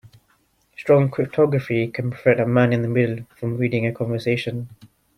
Strong cryptography can prevent a man in the middle from reading a conversation.